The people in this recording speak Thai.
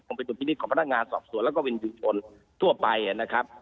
ผมไปจุดที่นี่ขอบพระนักงานสอบส่วนแล้วก็วิทยุชนทั่วไปนะครับ